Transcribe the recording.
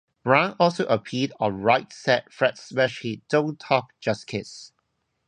Brown also appeared on Right Said Fred's smash hit "Don't Talk Just Kiss".